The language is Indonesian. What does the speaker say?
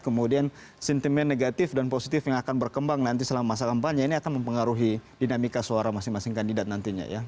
kemudian sentimen negatif dan positif yang akan berkembang nanti selama masa kampanye ini akan mempengaruhi dinamika suara masing masing kandidat nantinya ya